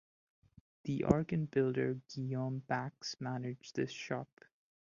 The organ builder Guillaume Bax managed this shop.